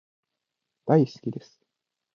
大好きです